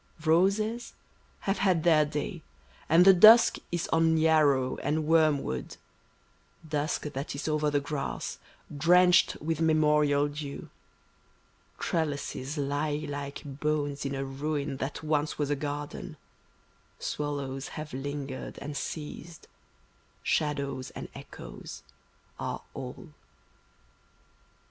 160] Roses have had their day, and the dusk is on yarrow and wormwood — Dusk that is over the grass, drenched with memorial dew; Trellises lie like bones in a ruin that once was a garden, Swallows have lingered and ceased, shadows and echoes are all.